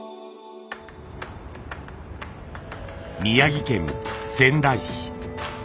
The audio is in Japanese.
宮城県仙台市。